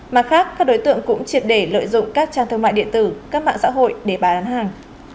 mặt khác các đối tượng cũng triệt để lợi dụng các trang thương mại điện tử các mạng xã hội để bán hàng